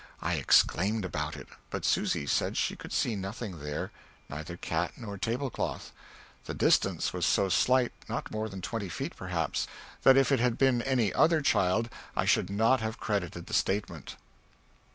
I exclaimed about it, but Susy said she could see nothing there, neither cat nor table cloth. The distance was so slight not more than twenty feet, perhaps that if it had been any other child I should not have credited the statement.